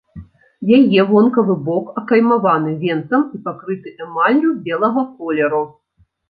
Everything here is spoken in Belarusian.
Яе вонкавы бок акаймаваны венцам і пакрыты эмаллю белага колеру.